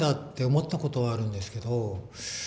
思ったことはあるんですけど。